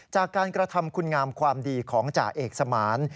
จากการกระทำคุณงามความดีของจ่าเอกสมาน